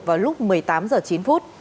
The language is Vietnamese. vào lúc một mươi tám h chín